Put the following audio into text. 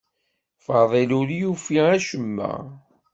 Faḍil ur yufi acemma.